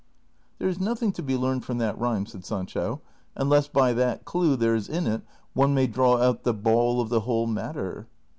'^ "There is nothing to be learned from that rhyme," said Sanclio, " unless by that clew there 's in it, oue may draw out the ball of the whole matter."